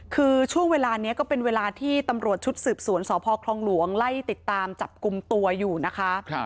คือช่วงเวลานี้ก็เป็นเวลาที่ตำรวจชุดสืบสวนสพคลองหลวงไล่ติดตามจับกลุ่มตัวอยู่นะคะ